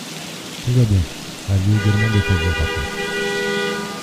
Tout va bien ! Avis également défavorable.